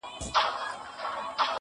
• ځم د روح په هر رگ کي خندا کومه.